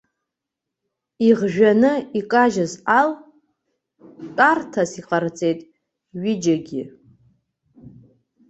Ихжәаны икажьыз ал тәарҭас иҟарҵеит аҩыџьагьы.